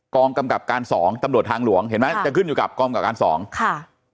กำกับการสองตำรวจทางหลวงเห็นไหมจะขึ้นอยู่กับกองกับการสองค่ะ